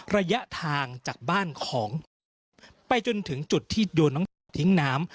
ระยะทางจากบ้านของไปจนถึงจุดที่โดนน้องน้ำทิ้งน้ำ